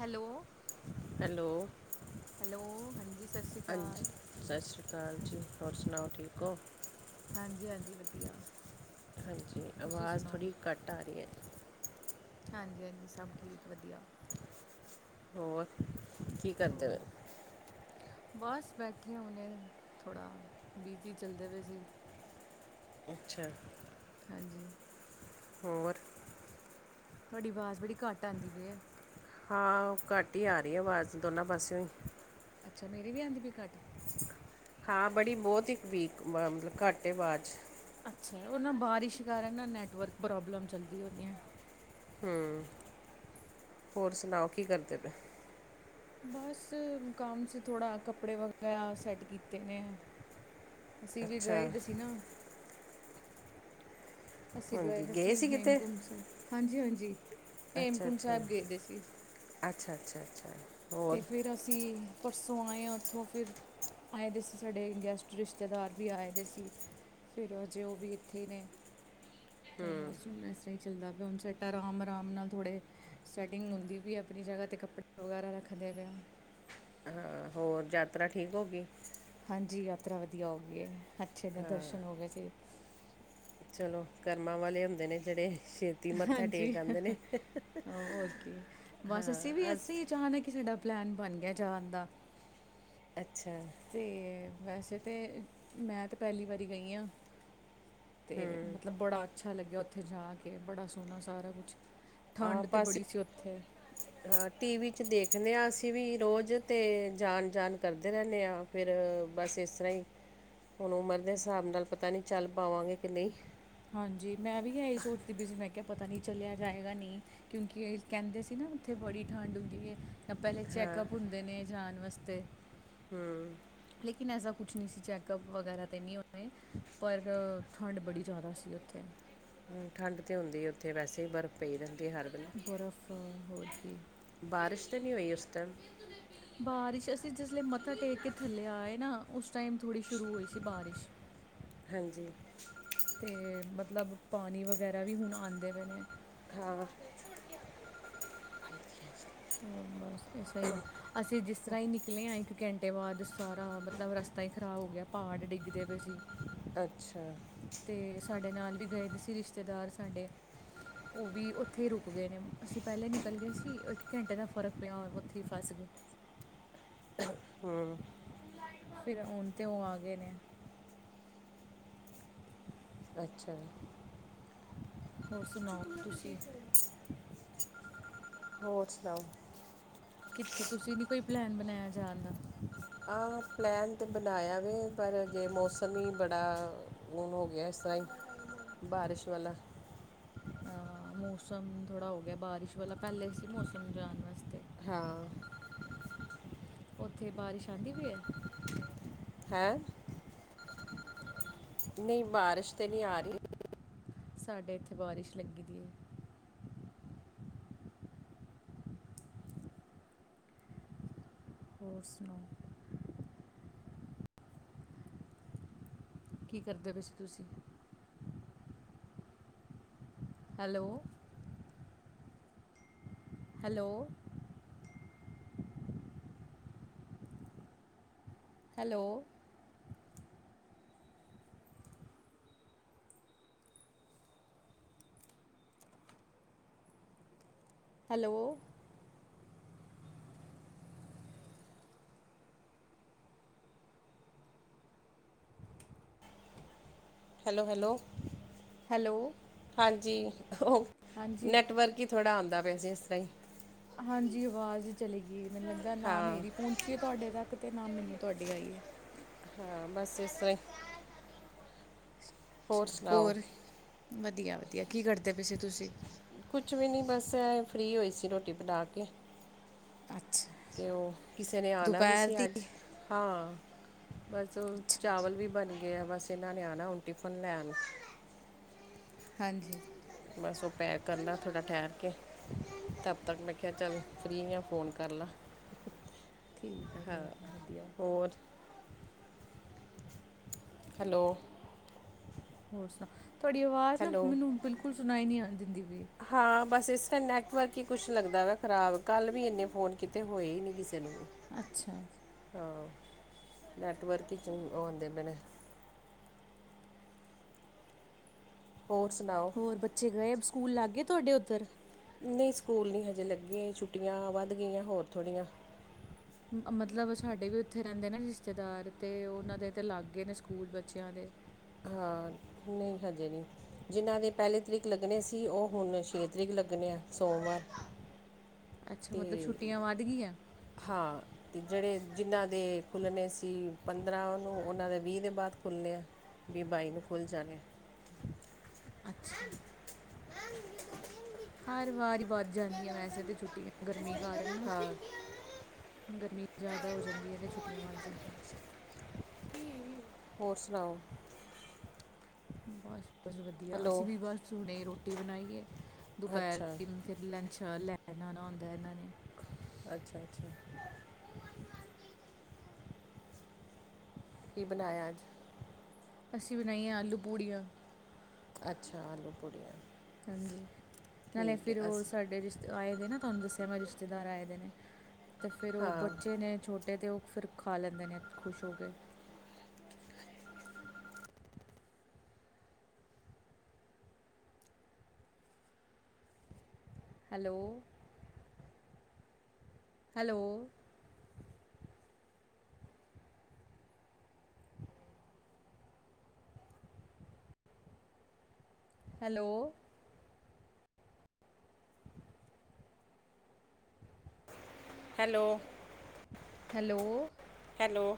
Hello hello hello ਹਾਂਜੀ ਸਤਿ ਸ਼੍ਰੀ ਹਾਂਜੀ ਅਕਾਲ। ਸਤਿ ਸ਼੍ਰੀ ਅਕਾਲ ਜੀ ਹੋਰ ਸੁਣਾਓ ਠੀਕ ਹੋ। ਹਾਂਜੀ- ਹਾਂਜੀ ਵਧੀਆ ਹਾਂਜੀ, ਤੁਸੀਂ ਆਵਾਜ਼ ਸੁਣਾਓ ਥੋੜ੍ਹੀ ਘੱਟ ਆ ਰਹੀ ਹੈ ਹਾਂਜੀ- ਹਾਂਜੀ ਸਭ ਠੀਕ ਵਧੀਆ ਹੋਰ ਕੀ ਕਰਦੇ ਹੋਰ ਪਏ ਬਸ ਬੈਠੇ ਹੁਣੇ, ਥੋੜ੍ਹਾ ਬਿਜ਼ੀ ਚੱਲਦੇ ਪਏ ਸੀ ਅੱਛਾ ਹਾਂਜੀ ਹੋਰ ਤੁਹਾਡੀ ਆਵਾਜ਼ ਬੜੀ ਘੱਟ ਆਉਂਦੀ ਪਈ ਹਾਂ ਘੱਟ ਹੀ ਆ ਰਹੀ ਆਵਾਜ਼, ਦੋਨਾਂ ਪਾਸਿਓ ਹੀ ਅੱਛਾ ਮੇਰੇ ਵੀ ਆਉਂਦੀ ਪਈ ਘੱਟ ਹਾਂ ਬੜੀ ਬਹੁਤ ਹੀ ਵੀਕ, ਮਤਲਬ ਘੱਟ ਆਵਾਜ਼ 'ਚ ਅੱਛਾ, ਉਹ ਨਾ ਬਾਰਿਸ਼ ਕਾਰਨ ਨਾ ਨੈੱਟਵਰਕ ਪ੍ਰੋਬਲਮ ਚੱਲਦੀ ਹੋਣੀ ਹੈ ਹਮ, ਹੋਰ ਸੁਣਾਓ ਕੀ ਕਰਦੇ ਪਏ ਬਸ ਮੁ ਕੰਮ ਸੀ ਥੋੜ੍ਹਾ ਕੱਪੜੇ ਵਗੈਰਾ ਸੈਟ ਕੀਤੇ ਨੇ ਅਸੀਂ ਵੀ ਗਏ ਅੱਛਾ ਤੇ ਸੀ ਨਾ ਅਸੀਂ ਗਏ ਤੇ ਸੀ ਹੇਮਕੁੰਟ ਸਾਹਿਬ ਹਾਂਜੀ, ਹਾਂਜੀ ਅੱਛਾ, ਹੇਮਕੁੰਟ ਅੱਛਾ, ਸਾਹਿਬ ਗਏ ਦੇ ਸੀ ਅੱਛਾ, ਅੱਛਾ, ਅੱਛਾ ਤੇ ਹੋਰ ਫਿਰ ਅਸੀਂ, ਪਰਸੋਂ ਆਏ ਹਾਂ ਉੱਥੋਂ ਫਿਰ ਆਏ ਦੇ ਸੀ ਸਾਡੇ ਗੈਸਟ ਰਿਸ਼ਤੇਦਾਰ ਵੀ ਆਏ ਦੇ ਸੀ ਫਿਰ ਅਜੇ ਉਹ ਵੀ ਇੱਥੇ ਨੇ, ਤੇ ਬਸ ਚੱਲਦਾ ਪਿਆ ਹੁਣ ਸਵਟ ਅਰਾਮ ਆਰਾਮ ਨਾਲ ਥੋੜੇ ਸੈਟਿੰਗ ਹੁੰਦੀ ਪਈ ਆਪਣੀ ਜਗ੍ਹਾ ਤੇ ਕੱਪੜੇ ਵਗੈਰਾ ਰੱਖਦੇ ਪਿਆ ਹੋਰ ਯਾਤਰਾ ਠੀਕ ਹੋ ਗਈ ਹਾਂਜੀ ਯਾਤਰਾ ਵਧੀਆ ਹੋ ਗਈ ਹੈ, ਅੱਛੇ ਦਰਸ਼ਨ ਹੋ ਗਏ ਸੀ ਚਲੋ, ਕਰਮਾਂ ਵਾਲੇ ਹੁੰਦੇ ਨੇ ਜਿਹੜੇ ਮੱਥਾ ਹਾਂਜੀ, ਟੇਕ ਆਉਂਦੇ ਨੇ ਹੋਰ ਕੀ ਬਸ, ਅਸੀਂ ਵੀ ਹਾਂ ਅਸ ਅਸੀਂ ਅਚਾਨਕ ਕਿ ਸਾਡਾ ਪਲੈਨ ਬਣ ਗਿਆ ਜਾਣ ਦਾ ਅੱਛਾ ਤੇ ਵੈਸੇ ਤੇ, ਮੈਂ ਤਾਂ ਪਹਿਲੀ ਵਾਰੀ ਗਈ ਹਾਂ ਤੇ ਮਤਲਬ ਬੜਾ ਅੱਛਾ ਲੱਗਿਆ ਉੱਥੇ ਜਾ ਕੇ, ਬੜਾ ਸੋਹਣਾ ਸਾਰਾ ਕੁਛ ਆ ਠੰਡ ਤੇ ਬਸ ਬੜੀ ਸੀ ਉੱਥੇ ਹਾਂ ਟੀਵੀ ਚ ਦੇਖਦੇ ਹਾਂ ਅਸੀਂ ਵੀ ਰੋਜ਼ ਤੇ ਜਾਣ -ਜਾਣ ਕਰਦੇ ਰਹਿੰਦੇ ਹਾਂ ਫਿਰ, ਬਸ ਇਸ ਤਰ੍ਹਾਂ ਹੀ [inaudible] ਹੁਣ ਉਮਰ ਦੇ ਹਿਸਾਬ ਨਾਲ ਪਤਾ ਨਹੀਂ ਚੱਲ ਪਾਵਾਂਗੇ ਕਿ ਨਹੀਂ ਹਾਂਜੀ, ਮੈਂ ਵੀ ਸੋਚਦੀ ਵੀ ਸੀ ਮੈਂ ਕਿਹਾ ਪਤਾ ਨਹੀਂ ਚਲਿਆ ਜਾਏਗਾ ਨਹੀਂ ਕਿਉਂਕਿ ਕਹਿੰਦੇ ਸੀ ਨਾ, ਉੱਥੇ ਬੜੀ ਠੰਡ ਹੁੰਦੀ ਐ ਤਾਂ ਪਹਿਲੇ ਹਾਂ ਚੈੱਕਅੱਪ ਹੁੰਦੇ ਨੇ ਜਾਣ ਵਾਸਤੇ। ਹੂੰ। ਲੇਕਿਨ ਐਸਾ ਕੁਛ ਨਹੀਂ ਸੀ ਚੈੱਕਅਪ ਵਗੈਰਾ ਤੇ ਨਹੀਂ ਹੋਏ ਪਰ ਠੰਡ ਬੜੀ ਜ਼ਿਆਦਾ ਸੀ ਉੱਥੇ। ਠੰਡ ਤੇ ਹੁੰਦੀ ਐ, ਉੱਥੇ ਵੈਸੇ ਬਰਫ਼ ਪਈ ਰਹਿੰਦੀ ਐ ਹਰ ਵੇਲੇ। ਬਰਫ਼ ਹੋਰ ਕੀ ਬਾਰਿਸ਼ ਤੇ ਨਈ ਹੋਈ ਉਸ ਟਾਈਮ ਬਾਰਿਸ਼, ਅਸੀਂ ਜਿਸ ਲੇ ਮੱਥਾ ਟੇਕ ਕੇ ਥੱਲੇ ਆਏ ਨਾ, ਉਸ ਟਾਈਮ ਥੋੜੀ ਸ਼ੁਰੂ ਹੋਈ ਸੀ ਬਾਰਿਸ਼। [inaudible] ਹਾਂਜੀ। ਤੇ ਮਤਲਬ ਪਾਣੀ ਵਗੈਰਾ ਵੀ ਹੁਣ ਆਦੇ ਪਏ ਨੇ। ਹਾਂ। ਬਸ ਐਸੇ ਈ ਅਸੀਂ ਜਿਸ ਤਰ੍ਹਾਂ ਹੀ ਨਿਕਲੇ ਹਾਂ, ਇੱਕ ਘੰਟੇ ਬਾਅਦ ਸਾਰਾ ਮਤਲਬ ਰਸਤਾ ਹੀ ਖ਼ਰਾਬ ਹੋ ਗਿਆ‌। ਪਹਾੜ ਡਿੱਗਦੇ ਪਏ ਸੀ। ਅੱਛਾ। ਤੇ ਸਾਡੇ ਨਾਲ ਵੀ ਗਏ ਸੀ ਰਿਸ਼ਤੇਦਾਰ ਸਾਡੇ ਉਹ ਵੀ ਉੱਥੇ ਰੁਕ ਗਏ ਨੇ, ਅਸੀਂ ਪਹਿਲਾਂ ਹੀ ਨਿਕਲ ਗਏ ਸੀ। ਇੱਕ ਘੰਟੇ ਦਾ ਫਰਕ ਪਿਆ, ਉੱਥੇ ਹੀ ਫਸ ਗਏ ਹੂੰ। ਫਿਰ ਹੁਣ ਤੇ ਉਹ ਆ ਗਏ ਨੇ। ਅੱਛਾ। ਹੋਰ ਸੁਣਾਓ ਤੁਸੀਂ ਹੋਰ ਸੁਣਾਓ। ਕਿੱਥੇ ਤੁਸੀਂ ਨੀ ਕੋਈ ਪਲੈਨ ਬਣਾਇਆ ਜਾਣ ਦਾ। ਹਾਂ ਪਲੈਨ ਤੇ ਬਣਾਇਆ ਵੇ ਪਰ ਹਜੇ ਮੌਸਮ ਹੀ ਬੜਾ ਹੁਣ ਹੋ ਗਿਆ ਇਸ ਤਰ੍ਹਾਂ ਹੀ, ਬਾਰਿਸ਼ ਵਾਲਾ ਹਾਂ ਮੌਸਮ ਥੋੜ੍ਹਾ ਹੋ ਗਿਆ ਬਾਰਿਸ਼ ਵਾਲਾ, ਪਹਿਲੇ ਸੀ ਮੌਸਮ ਜਾਣ ਵਾਸਤੇ ਹਾਂ। ਉੱਥੇ ਬਾਰਿਸ਼ ਆਂਦੀ ਪਈ ਐ। [inaudible] ਹੈ। ਨੀ ਬਾਰਿਸ਼ ਤੇ ਨਈ ਆ ਰਹੀ। ਸਾਡੇ ਇੱਥੇ ਬਾਰਿਸ਼ ਲੱਗੀ ਦੀ ਐ। ਹੋਰ ਸੁਣਾਓ। ਕੀ ਕਰਦੇ ਪਏ ਸੀ ਤੁਸੀਂ? Hello. Hello. Hello. Hello. Hello hello. Hello. ਹਾਂਜੀ, ਉਹ ਹਾਂਜੀ ਨੈਟਵਰਕ ਹੀ ਥੋੜ੍ਹਾ ਆਂਦਾ ਪਿਆ ਸੀ ਇਸ ਤਰਾਂ ਇ ਹਾਂਜੀ ਆਵਾਜ਼ ਚਲੀ ਗਈ, ਮੈਨੂੰ ਲੱਗਦਾ ਨਾ ਹਾਂ ਮੇਰੀ ਪਹੁੰਚ ਚੀ ਏ ਤੁਹਾਡੇ ਤੱਕ ਤੇ ਨਾ ਮੈਨੂੰ ਤੁਹਾਡੇ ਆਈਏ ਹਾਂ ਬਸ ਇਸ ਤਰਾਂ ਈ ਚਲੋ, ਸੁਣਾਓ ਹੋਰ ਵਧੀਆ-ਵਧੀਆ, ਕੀ ਕਰਦੇ ਪਏ ਸੀ ਤੁਸੀਂ? ਕੁਛ ਵੀ ਨੀ ਬਸ ਐ ਫ੍ਰਰੀ ਹੋਈ ਸੀ ਰੋਟੀ ਬਣਾ ਕੇ ਅੱਛਾ। ਤੇ ਉਹ, ਕਿਸੇ ਨੇ ਆਣਾ ਵੀ ਦੁਪਹਿਰ ਸੀ ਦੀ ਅੱਜ ਹਾਂ ਬਸ ਉਹ ਚਾਵਲ ਵੀ ਬਣ ਗਏ ਆ ਬਸ ਇਹਨਾਂ ਨੇ ਆਣਾ ਹੁਣ ਟਿਫਨ ਲੈਣ ਹਾਂਜੀ। ਬਸ ਉਹ ਪੈਕ ਕਰਨਾ ਥੋੜ੍ਹਾ ਠਹਿਰ ਕੇ ਤਬ ਤੱਕ ਮੈਂ ਕਿਹਾ ਚੱਲ, ਫ੍ਰੀ ਹਾਂ ਫੋਨ ਕਰ ਲਾਂ ਠੀਕ ਹੈ ਹਾਂ ਠੀਕ ਹੈ ਵਧੀਆ ਹੋਰ ਹੈਲੋ ਹੋਰ ਸੁਣਾ, ਤੁਹਾਡੀ ਆਵਾਜ਼ ਨਾ ਹੈਲੋ ਮੈਨੂੰ ਬਿਲਕੁਲ ਸੁਣਾਈ ਨੀ ਆਨ ਦਿੰਦੀ ਹਾਂ ਬਸ ਇਸ ਦਾ ਨੈਟਵਰਕ ਹੀ ਕੁਛ ਲੱਗਦਾ ਵਾ ਖ਼ਰਾਬ, ਕੱਲ ਵੀ ਇੰਨੇ ਫੋਨ ਕੀਤੇ, ਹੋਏ ਹੀ ਨਹੀਂ ਕਿਸੇ ਨੂੰ ਅੱਛਾ। ਹਾਂ ਨੈਟਵਰਕ ਚ'ਆਉਦੇ ਪਏ ਨੇ ਹੋਰ ਸੁਣਾਓ ਹੋਰ ਬੱਚੇ ਗਏ, ਸਕੂਲ ਲੱਗ ਗਏ ਤੁਹਾਡੇ ਉੱਧਰ ਨਹੀਂ ਸਕੂਲ ਨਹੀਂ ਹਜੇ ਲੱਗੇ, ਛੁੱਟੀਆਂ ਵੱਧ ਗਈਆਂ ਹੋਰ ਥੋੜ੍ਹੀਆਂ ਮਤਲਬ ਸਾਡੇ ਵੀ ਉੱਥੇ ਰਹਿੰਦੇ ਨੇ ਰਿਸ਼ਤੇਦਾਰ, ਤੇ ਉਹਨਾਂ ਦੇ ਤਾਂ ਲਗ ਗਏ ਨੇ ਸਕੂਲ ਬੱਚਿਆਂ ਦੇ ਹਾਂ, ਨਹੀਂ ਹਜੇ ਨਹੀਂ ਜਿਨ੍ਹਾਂ ਦੇ ਪਹਿਲੀ ਤਰੀਕ ਲੱਗਣੇ ਸੀ। ਉਹ ਹੁਣ ਛੇ ਤਰੀਕ ਲੱਗਣੇ ਆ ਸੋਮਵਾਰ ਅੱਛਾ, ਤੇ ਮਤਲਬ ਛੁੱਟੀਆਂ ਵੱਧ ਗਈਆਂ ਹਾਂ ਤੇ ਜਿਹੜੇ ਜਿਹਨਾਂ ਦੇ ਖੁੱਲ੍ਹਣੇ ਸੀ ਪੰਦਰਾਂ ਨੂੰ, ਉਹਨਾਂ ਦੇ ਵੀਹ ਦੇ ਬਾਅਦ ਖੁੱਲ੍ਹਣੇ ਆ ਵੀਹ ਬਾਈ ਨੂੰ ਖੁੱਲ੍ਹ ਜਾਨੇ ਅੱਛਾ ਹਾਂ ਹਰ ਵਾਰ ਹੀ ਵੱਧ ਜਾਂਦੀਆਂ ਵੈਸੇ ਤਾਂ ਛੁੱਟੀਆਂ, ਗਰਮੀ ਕਾਰਨ ਨਾ ਹਾਂ ਗਰਮੀ ਜ਼ਿਆਦਾ ਹੋ ਜਾਂਦੀ ਏ ਤੇ ਛੁੱਟੀਆਂ ਵੱਧ ਜਾਂਦੀਆਂ ਹੋਰ ਸੁਣਾਓ ਬਸ ਬਸ ਵਧੀਆ, ਹੈਲੋ ਅਸੀਂ ਵੀ ਬਸ ਹੁਣੇ ਈ ਰੋਟੀ ਬਣਾਈ ਏ ਦੁਪਹਿਰ ਅੱਛਾ ਦੀ ਫਿਰ ਲੰਚ ਲੈਣ ਆਉਣਾ ਹੁੰਦਾ ਇਹਨਾਂ ਨੇ ਅੱਛਾ, ਅੱਛਾ ਕੀ ਬਣਾਇਆ ਅੱਜ ਅਸੀਂ ਬਣਾਈਆਂ ਆਲੂ ਪੂੜੀਆਂ ਅੱਛਾ, ਆਲੂ ਪੂੜੀਆਂ ਹਾਂਜੀ, ਨਾਲੇ ਠੀਕ ਫਿਰ ਹੈ ਉਹ ਅਸੀਂ ਸਾਡੇ ਰਿਸ਼ਤੇ ਆਏ ਨੇ ਨਾ ਤੁਹਾਨੂੰ ਦੱਸਿਆ ਮੈਂ ਰਿਸ਼ਤੇਦਾਰ ਆਏ ਦੇ ਨੇ, ਤੇ ਫਿਰ ਉਹ ਹਾਂ ਬੱਚੇ ਨੇ ਛੋਟੇ ਟੇ ਤੇ ਉਹ ਫਿਰ ਖਾ ਲੈਂਦੇ ਨੇ ਖੁਸ਼ ਹੋ ਗਏ hello hello hello hello hello hello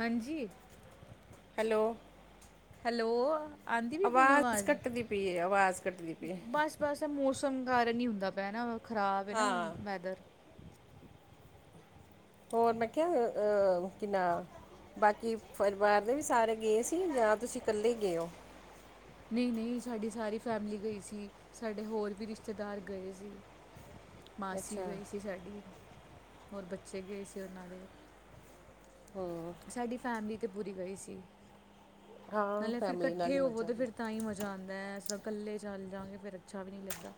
ਹਾਂਜੀ ਹੈਲੋ ਹੈਲੋ, ਆਉਂਦੀ ਵੀ ਹੁਣ ਆਵਾਜ਼ ਅਵਾਜ਼, ਕੱਟਦੀ ਪਈ ਹੈ ਆਵਾਜ਼ ਕੱਟਦੀ ਪਈ ਹੈ। ਬਸ ਬਸ ਏ ਮੌਸਮ ਕਾਰਨ ਹੀ ਹੁੰਦਾ ਪਿਆ ਨਾ ਖ਼ਰਾਬ ਹੈ ਨਾ ਹਾਂ ਵੈਦਰ ਹੋਰ ਮੈਂ ਕਿਹਾ ਅਹ ਕਿਨਾ ਬਾਕੀ ਪਰਿਵਾਰ ਦੇ ਵੀ ਸਾਰੇ ਗਏ ਸੀ ਜਾਂ ਤੁਸੀਂ ਕੱਲੇ ਹੀ ਗਏ ਹੋ ਨਹੀਂ- ਨਹੀਂ ਸਾਡੀ ਸਾਰੀ ਫੈਮਿਲੀ ਗਈ ਸੀ ਸਾਡੇ ਹੋਰ ਵੀ ਰਿਸ਼ਤੇਦਾਰ ਗਏ ਸੀ ਮਾਸੀ ਅੱਛਾ ਗਈ ਸੀ ਸਾਡੀ, ਹੋਰ ਬੱਚੇ ਗਏ ਸੀ ਉਹਨਾਂ ਦੇ ਹਮ ਸਾਡੀ ਫੈਮਿਲੀ ਤੇ ਪੂਰੀ ਗਈ ਸੀ, ਹਾਂ ਨਾਲੇ ਫਿਰ ਫੈਮਿਲੀ ਨਾਲ ਇਕੱਠੇ ਹੀ ਹੋਵੋ ਮਜ਼ਾ ਤੇ ਆਉਂਦਾ ਫਿਰ ਤਾਂ ਹੀ ਮਜ਼ਾ ਜਾਂਦਾ ਏ, ਐਸੇ ਕੱਲੇ ਚੱਲ ਜਾਂਣਗੇ ਫਿਰ ਅੱਛਾ ਵੀ ਨਹੀਂ ਲੱਗਦਾ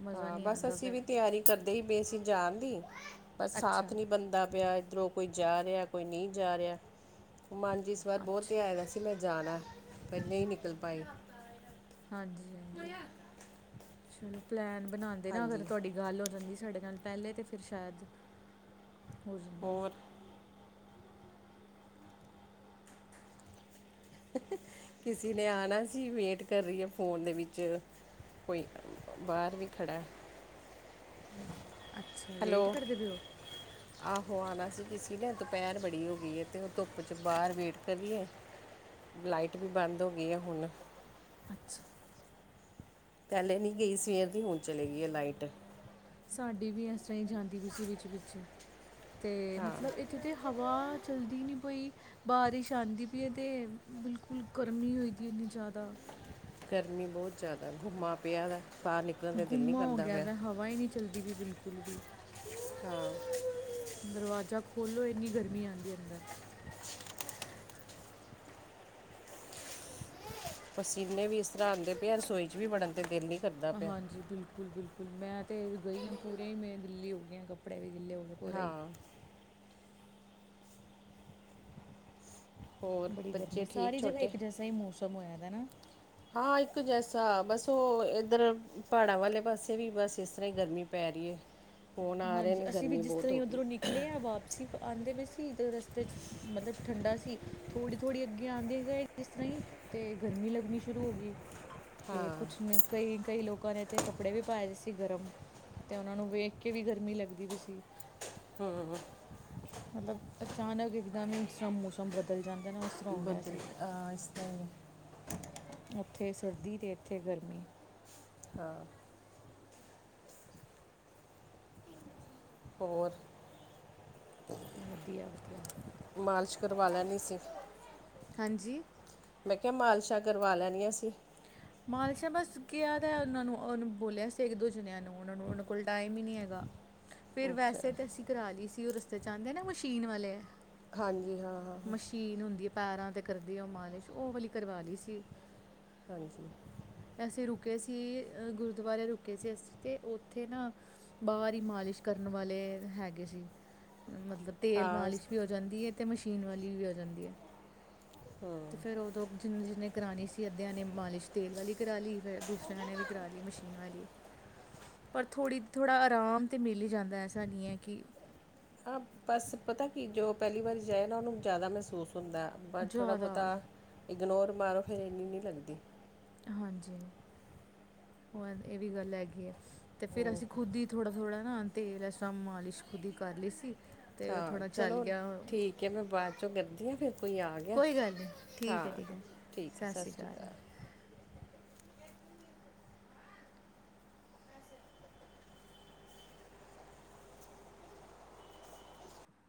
ਮਜ਼ਾ ਹਾਂ ਨਹੀਂ ਬਸ, ਆਉਂਦਾ ਅਸੀਂ ਫਿਰ ਵੀ ਤਿਆਰੀ ਕਰਦੇ ਹੀ ਪਏ ਸੀ ਜਾਣ ਦੀ, ਪਰ ਸਾਥ ਅੱਛਾ ਨਹੀਂ ਬਣਦਾ ਪਿਆ ਇਧਰੋਂ ਕੋਈ ਜਾ ਰਿਹਾ, ਕੋਈ ਨਹੀਂ ਜਾ ਰਿਹਾ ਮਨ ਚ ਇਸ ਵਾਰ ਬਹੁਤ ਅੱਛਾ ਤਿਹਾਂਯਾ ਦਾ ਸੀ ਮੈਂ ਜਾਣਾ, ਪਰ ਨਹੀਂ ਨਿਕਲ ਪਾਈ ਹਾਂਜੀ- ਹਾਂਜੀ, ਚਲੋ ਪਲੈਨ ਬਣਾਉਦੇ ਤੇ ਅਗਰ ਹਾਂਜੀ ਤੁਹਾਡੀ ਗੱਲ ਹੋ ਜਾਂਦੀ ਸਾਡੇ ਨਾਲ ਪਹਿਲੇ ਤਾਂ ਫਿਰ ਸ਼ਾਇਦ, ਹੋ ਜਾਂਦਾ ਹੋਰ ਕਿਸੇ ਨੇ ਆਉਣਾ ਸੀ, ਵੇਟ ਕਰ ਰਹੀ ਹੈ ਫੋਨ ਦੇ ਵਿੱਚ ਕੋਈ ਬਾਹਰ ਵੀ ਖੜ੍ਹਾ ਹਮ ਅੱਛਾ, ਵੇਟ ਕਰਦੇ ਪਏਓ ਆਹੋ ਆਉਣਾ ਸੀ ਕਿਸੇ ਨੇ, ਦੁਪਹਿਰ ਬੜੀ ਹੋ ਗਈ ਹੈ ਤੇ ਉਹ ਧੁੱਪ ਚ ਬਾਹਰ ਵੇਟ ਕਰੀਏ ਲਾਈਟ ਵੀ ਬੰਦ ਹੋ ਗਈ ਆ ਹੁਣ ਅੱਛਾ ਪਹਿਲੇ ਨਹੀਂ ਗਈ, ਸਵੇਰ ਦੀ ਹੁਣ ਚਲੀ ਗਈ ਹੈ ਲਾਈਟ ਸਾਡੀ ਵੀ ਇਸ ਤਰ੍ਹਾਂ ਹੀ ਜਾਂਦੀ ਪਈ ਸੀ ਵਿੱਚ- ਵਿੱਚ ਤੇ ਹਾਂ ਮਤਲਬ ਇੱਕ ਕਿਤੇ ਹਵਾ ਚਲਦੀ ਨਹੀਂ ਪਈ ਬਾਰਿਸ਼ ਆਉਦੀ ਪਈ ਏ ਤੇ ਬਿਲਕੁਲ ਗਰਮੀ ਹੋ ਦੀ ਇੰਨੀ ਜ਼ਿਆਦਾ ਗਰਮੀ ਬਹੁਤ ਜ਼ਿਆਦਾ, ਗੁੰਮਾ ਪਿਆ, ਬਾਹਰ ਨਿਕਲਣ ਦਾ ਦਿਲ ਨਹੀਂ ਗੁੰਮਾ ਹੋ ਕਰਦਾ ਗਿਆ ਪਿਆ ਦਾ ਹਵਾ ਹੀ ਨਹੀਂ ਚਲਦੀ ਵੀ ਬਿਲਕੁਲ ਵੀ ਹਾਂ ਦਰਵਾਜ਼ਾ ਖੋਲ੍ਹੋ ਇੰਨੀ ਗਰਮੀ ਆਉਂਦੀ ਅੰਦਰ। ਪਸੀਨੇ ਵੀ ਇਸ ਤਰ੍ਹਾਂ ਆਉਂਦੇ ਪਏ ਆ ਰਸੋਈ ਚ ਵੀ ਵੜਨ ਨੂੰ ਵੀ ਦਿਲ ਨੀ ਹਾਂਜੀ, ਬਿਲਕੁਲ- ਬਿਲਕੁਲ ਮੈਂ ਤਾਂ ਗਈ ਹਾਂ ਪੂਰੇ ਹੀ ਮੈਂ ਗਿੱਲੀ ਹੋ ਗਈ ਹਾਂ ਕੱਪੜੇ ਵੀ ਗਿੱਲੇ ਹੋ ਗਏ ਪੂਰੇ ਹੀ ਹਾਂ ਹੋਰ ਬੜੀ ਗਰਮੀ, ਬੱਚੇ ਠੀਕ ਸਾਰੀ ਜਗ੍ਹਾ ਛੋਟੇ ਇੱਕ ਜੈਸਾ ਹੀ ਮੌਸਮ ਹੋਇਆ ਤਾਂ ਹੈ ਹਾਂ ਇੱਕ ਜੈਸਾ, ਬਸ ਉਹ ਇੱਧਰ ਪਹਾੜਾਂ ਵਾਲੇ ਪਾਸੇ ਵੀ ਬਸ ਇਸ ਤਰ੍ਹਾਂ ਹੀ ਗਰਮੀ ਪੈ ਰਹੀ ਹੈ ਫੋਨ ਆ ਰਹੇ ਹਾਂਜੀ, ਨੇ ਅਸੀਂ ਵੀ ਗਰਮੀ ਜਿਸ ਤਰ੍ਹਾਂ ਬਹੁਤ ਹੀ ਹੋ ਗਈ ਉੱਧਰੋਂ ਨਿਕਲੇ ਹਾਂ ਵਾਪ ਸੀ ਆਉਂਦੇ ਪਏ ਸੀ ਤੇ ਰਸਤੇ ਚ, ਮਤਲਬ ਠੰਡਾ ਸੀ ਥੋੜ੍ਹੀ- ਥੋੜ੍ਹੀ ਅੱਗੇ ਆਉਂਦੀ ਗਏ ਜਿਸ ਤਰ੍ਹਾਂ ਹੀ ਤੇ ਗਰਮੀ ਲੱਗਣੀ ਸ਼ੁਰੂ ਹੋ ਗਈ ਤੇ ਹਾਂ ਕੁਛ ਕਈ -ਕਈ ਲੋਕਾਂ ਨੇ ਤੇ ਕੱਪੜੇ ਵੀ ਪਾਏ ਸੀ ਗਰਮ, ਤੇ ਉਹਨਾਂ ਨੂੰ ਵੇਖ ਕੇ ਕਿ ਵੀਂ ਗਰਮੀ ਲੱਗਦੀ ਪਈ ਸੀ ਹਮ ਮਤਲਬ ਅਚਾਨਕ ਇੱਕਦਮ ਹੀ ਉਸ੍ਹਾਂ ਮੌਸਮ ਬਦਲ ਜਾਂਦਾ ਨਾ ਤਰ੍ਹਾਂ ਹੋ ਗਿਆ ਬਦਲ ਸੀ ਇਸ ਉੱਥੇ ਸਰਦੀ ਤੇ ਇੱਥੇ ਗਰਮੀ ਹਾਂ ਹੋਰ, ਵਧੀਆ ਵਧੀਆ ਮਾਲਸ਼ ਕਰਵਾ ਲੈਨੀ ਸੀ ਹਾਂਜੀ ਮੈਂ ਕਿਹਾ ਮਾਲਸ਼ਾਂ ਕਰਵਾ ਲੈਣੀਆਂ ਸੀ ਮਾਲਸ਼ਾਹ ਬਸ ਗਿਆ ਤਾਂ ਉਹਨਾਂ ਨੂੰ ਉਹਨੂੰ ਬੋਲਿਆ ਸੀ ਇੱਕ ਦੋ ਜਣਿਆਂ ਨੂੰ ਉਹਨਾਂ ਨੂੰ ਉਹਨਾਂ ਕੋਲ ਟਾਈਮ ਹੀ ਨਹੀਂ ਹੈਗਾ ਫਿਰ ਅੱਛਾ ਵੈਸੇ ਤਾਂ ਅਸੀਂ ਕਰਾ ਲਈ ਸੀ ਉਹ ਰਸਤੇ 'ਚ ਆਉਂਦੇ ਆ ਨਾ ਮਸ਼ੀਨ ਵਾਲੇ ਹੈ ਹਾਂਜੀ ਹਾਂ- ਹਾਂ- ਹਾਂ ਕੀਨ ਹੁੰਦੀ ਹੈ ਪੈਰਾਂ ' ਕਰਦੀ ਆ ਉਹ ਮਾਲਿਸ਼ ਉਹ ਵਾਲੀ ਕਰਵਾ ਲਈ ਸੀ ਹਾਂਜੀ ਅਸੀਂ ਰੁਕੇ ਸੀ ਅ, ਗੁਰਦੁਆਰੇ ਰੁਕੇ ਸੀ ਅਸੀਂ ਤੇ ਉੱਥੇ ਨਾ ਬਾਹਰ ਹੀ ਮਾਲਿਸ਼ ਕਰਨ ਵਾਲੇ ਹੈਗੇ ਸੀ, ਮਤਲਬ ਤੇਲ ਹਾਂ ਮਾਲਿਸ਼ ਵੀ ਹੋ ਜਾਂਦੀ ਹੈ ਤੇ ਮਸ਼ੀਨ ਵਾਲੀ ਵੀ ਹੋ ਜਾਂਦੀ ਹੈ ਤੇ ਫਿਰ ਉਹ ਤੋਂ ਜਿੰਨੇ -ਜਿੰਨੇ ਕਰਾਉਣੀ ਸੀ ਅੱਧਿਆਂ ਨੇ ਮਾਲਿਸ਼ ਕੁਛ ਤੇਲ ਵਾਲੀ ਕਰਾ ਲਈ ਫਿਰ ਦੂਸਰਿਆਂ ਵੀ ਕਰਾ ਲਈ ਮਸ਼ੀਨ ਵਾਲੀ ਪਰ ਥੋੜ੍ਹੀ, ਥੋੜ੍ਹਾ ਆਰਾਮ ਤੇ ਮਿਲ ਜਾਂਦਾ ਐਸਾ ਨਹੀਂ ਹੈ ਕਿ ਹਾਂ, ਬਸ ਪਤਾ ਕਿ ਜੋ ਪਹਿਲੀ ਵਾਰੀ ਜਾਏ ਨਾ ਉਹਨੂੰ ਜ਼ਿਆਦਾ ਮਹਿਸੂਸ ਹੁੰਦਾ। ਪਰ ਥੋੜ੍ਹਾ ਜ਼ਿਆਦਾ ਬਹੁਤਾ ਇਗਨੋਰ ਮਾਰੋ ਫਿਰ ਇਨੀ ਨਹੀਂ ਲੱਗਦੀ। ਹਾਂਜੀ, ਉਹ ਇਹ ਵੀ ਗੱਲ ਹੈਗੀ ਹੈ ਕਿ। ਅਤੇ ਫਿਰ ਹਮ, ਅਸੀਂ ਖੁੱਦ ਥੋੜ੍ਹਾ ਥੋੜ੍ਹਾ ਹਾ ਨਾ ਤੇਲ ਮਾਲਿਸ਼ ਖੁੱਦੀ ਹੀ ਕਰ ਲਈ ਸੀ। ਅਤੇ ਹਾਂ ਥੋੜ੍ਹਾ ਚੱਲ ਚਲੋ ਗਿਆ। ਠੀਕ ਮੈਂ ਬਾਅਦ 'ਚੋਂ ਕਰਦੀ ਹਾਂ ਫਿਰ ਕੋਈ ਆ ਗਿਆ ਕੋਈ ਗੱਲ ਨਹੀਂ ਠੀਕ ਹਾਂ ਹੈ ਠੀਕ ਹੈ ਠੀਕ ਹੈ ਸਤਿ ਸ਼੍ਰੀ ਅਕਾਲ।